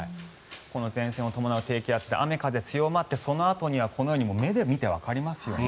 前線を伴う低気圧で雨風強まってそのあとにはこのように目で見てわかりますよね。